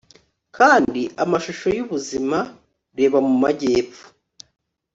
kandi amashusho yubuzima. reba mu majyepfo